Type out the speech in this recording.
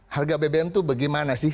harga bbm itu bagaimana sih